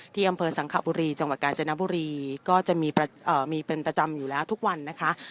ที่อำเภอสังขบุรีจังหวัดกาญจนบุรีก็จะมีเป็นประจำอยู่แล้วทุกวันนะคะ